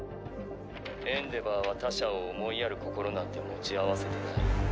エンデヴァーは他者を思いやる心なんて持ち合わせてない。